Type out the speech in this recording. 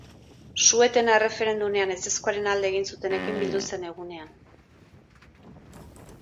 Su-etena erreferendumean ezezkoaren alde egin zutenekin bildu zen egunean.